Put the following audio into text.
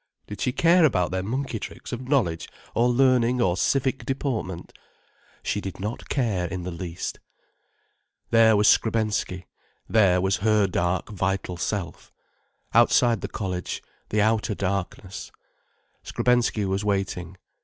—did she care about their monkey tricks of knowledge or learning or civic deportment? She did not care in the least. There was Skrebensky, there was her dark, vital self. Outside the college, the outer darkness, Skrebensky was waiting.